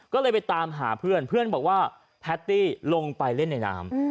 ก็เลยไปตามหาเพื่อนเพื่อนบอกว่าแพตตี้ลงไปเล่นในน้ำ